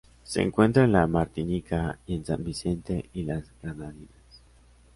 Se encuentra en la Martinica y en San Vicente y las Granadinas.